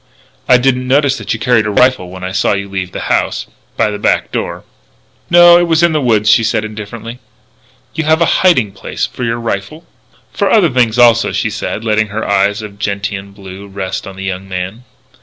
"I didn't notice that you carried a rifle when I saw you leave the house by the back door." "No; it was in the woods," she said indifferently. "You have a hiding place for your rifle?" "For other things, also," she said, letting her eyes of gentian blue rest on the young man.